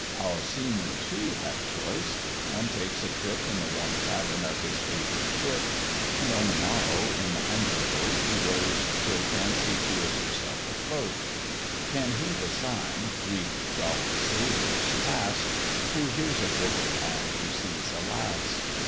Our Seamen too have choice; one takes a trip In the warm cabin of his favourite Ship; And on the morrow in the humbler Boat He rows till fancy feels herself afloat; Can he the sign Three Jolly Sailors pass, Who hears a fiddle and who sees a lass?